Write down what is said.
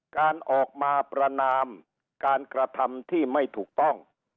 การออกมาประนามการกระทำที่ไม่ถูกต้อง